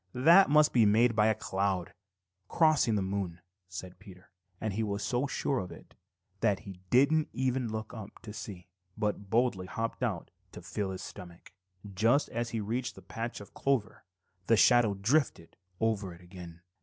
"That must be made by a cloud crossing the moon," said Peter, and he was so sure of it that he didn't even look up to see, but boldly hopped out to fill his stomach. Just as he reached the patch of clover, the shadow drifted over it again.